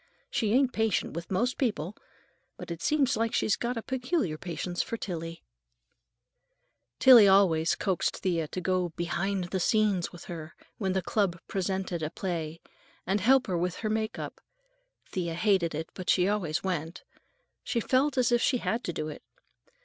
"She ain't patient with most people, but it seems like she's got a peculiar patience for Tillie." Tillie always coaxed Thea to go "behind the scenes" with her when the club presented a play, and help her with her make up. Thea hated it, but she always went. She felt as if she had to do it.